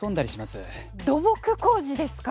土木工事ですか！